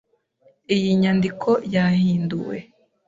Iyi nyandiko yahinduwe.